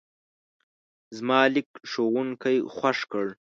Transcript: زما لیک ښوونکی خوښ کړ.